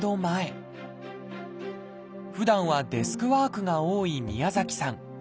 ふだんはデスクワークが多い宮崎さん。